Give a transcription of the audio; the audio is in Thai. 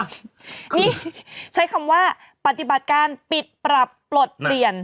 นี่ใช้คำว่าปฏิบัติการปิดปรับปลดเปลี่ยน